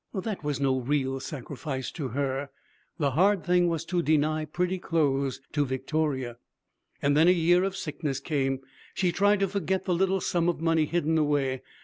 That was no real sacrifice to her. The hard thing was to deny pretty clothes to Victoria. Then a year of sickness came. She tried to forget the little sum of money hidden away.